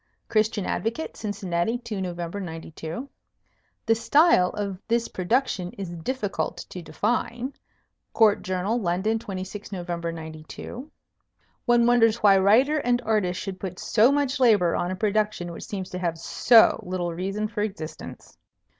Christian Advocate, Cincinnati, 2 Nov. '92. "The style of this production is difficult to define." Court Journal, London, 26 Nov. '92. "One wonders why writer and artist should put so much labor on a production which seems to have so little reason for existence."